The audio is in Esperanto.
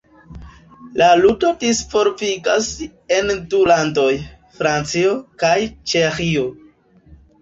La ludo disvolviĝas en du landoj: Francio kaj Ĉeĥio.